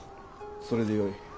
それでよい。